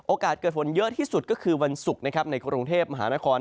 โอกาสเกิดฝนเยอะที่สุดก็คือวันศุกร์ในกรุงเทพฯมหานคร